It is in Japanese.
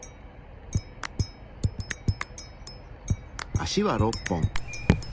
足は６本。